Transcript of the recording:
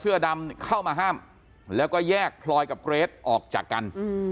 เสื้อดำเข้ามาห้ามแล้วก็แยกพลอยกับเกรทออกจากกัน